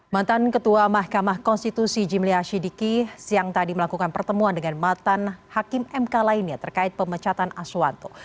mantan ketua mahkamah konstitusi jimli asyidiki siang tadi melakukan pertemuan dengan mantan hakim mk lainnya terkait pemecatan aswanto